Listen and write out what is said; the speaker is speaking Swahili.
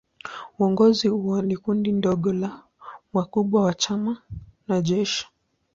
Uongozi huo ni kundi dogo la wakubwa wa chama na jeshi.